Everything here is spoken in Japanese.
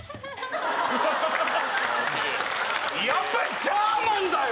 やっぱりジャーマンだよ！